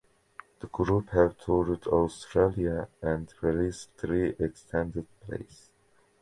The group have toured Australia and released three extended plays.